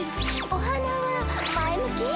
「お花は前向き？」